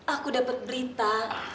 aku dapet berita